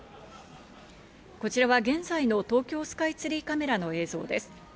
こちらは現在の東京スカイツリーカメラの映像です。